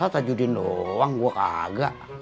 masa taji udin doang gua kagak